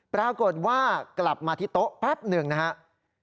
ปรากฏว่ากลับมาที่โต๊ะแป๊บหนึ่งนะครับ